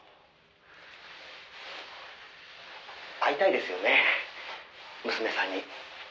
「会いたいですよね娘さんに」